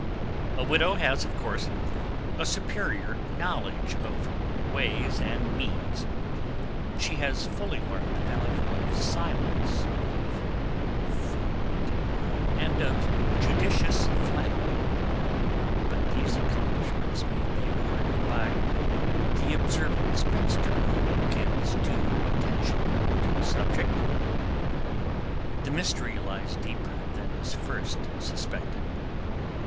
A widow has, of course, a superior knowledge of ways and means. She has fully learned the value of silence, of food, and of judicious flattery. But these accomplishments may be acquired by the observing spinster who gives due attention to the subject. The mystery lies deeper than is first suspected.